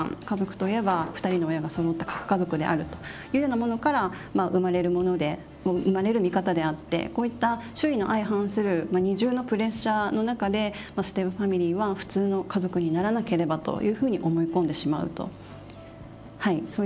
家族といえば２人の親がそろった核家族であるというようなものから生まれる見方であってこういった周囲の相反する二重のプレッシャーの中でステップファミリーは普通の家族にならなければというふうに思い込んでしまうと。